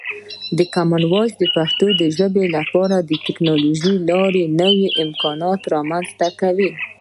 کامن وایس د پښتو ژبې لپاره د ټکنالوژۍ له لارې نوې امکانات رامنځته کوي.